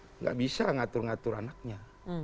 tidak bisa ngatur ngatur anaknya